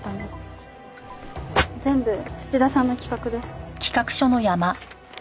全部土田さんの企画です。